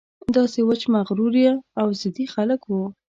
داسې وچ مغروره او ضدي خلک وو.